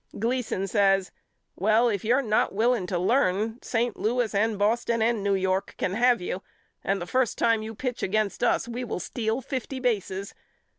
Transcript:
Gleason says Well if you're not willing to learn St. Louis and Boston and New York can have you and the first time you pitch against us we will steal fifty bases.